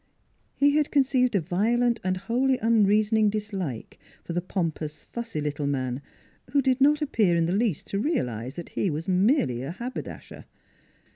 He had conceived a violent and wholly unrea soning dislike for the pompous, fussy little man, who did not appear in the least to realize that he was merely a haberdasher.